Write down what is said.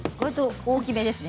大きめですね。